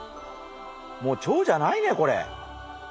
もうチョウじゃないねこれ。